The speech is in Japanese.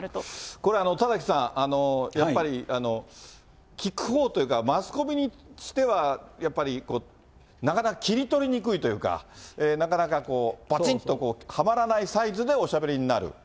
これ、田崎さん、やっぱり、聞く方というか、マスコミにしては、やっぱり、なかなか切り取りにくいというか、なかなかぱちんとはまらないサイズでおしゃべりになる。